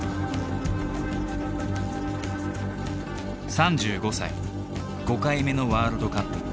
３５歳５回目のワールドカップ。